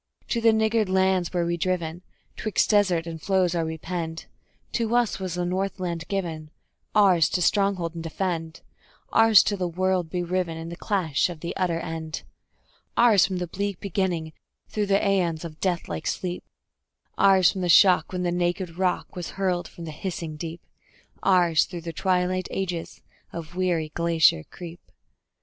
To the niggard lands were we driven, 'twixt desert and floes are we penned; To us was the Northland given, ours to stronghold and defend; Ours till the world be riven in the crash of the utter end; Ours from the bleak beginning, through the aeons of death like sleep; Ours from the shock when the naked rock was hurled from the hissing deep; Ours through the twilight ages of weary glacier creep.